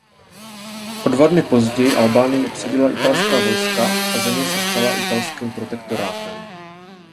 O dva dny později Albánii obsadila italská vojska a země se stala italským protektorátem.